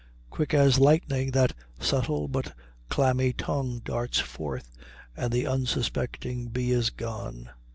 Quick as lightning that subtle but clammy tongue darts forth, and the unsuspecting bee is gone.